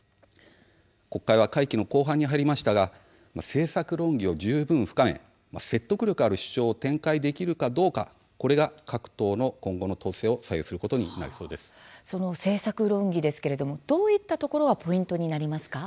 国会は会期の後半に入りましたが政策論議を十分深め説得力ある主張を展開できるかどうかこれが、各党の今後の党勢をその政策論議ですがどういったところがポイントになりますか。